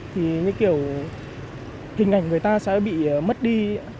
thì như kiểu hình ảnh người ta sẽ bị mất đi